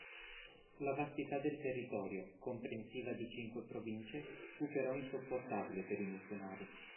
La vastità del territorio, comprensiva di cinque province, fu però insopportabile per i missionari.